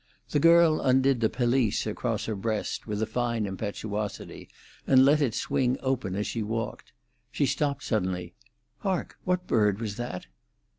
The girl undid the pelisse across her breast, with a fine impetuosity, and let it swing open as she walked. She stopped suddenly. "Hark! What bird was that?"